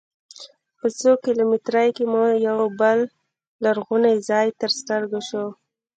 په څو کیلومترۍ کې مو یوه بل لرغونی ځاې تر سترګو سو.